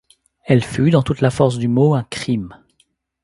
Elle fut, dans toute la force du mot, un crime.